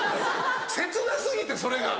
切な過ぎてそれが。